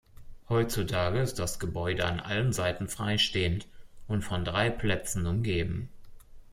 Heutzutage ist das Gebäude an allen Seiten freistehend und von drei Plätzen umgeben.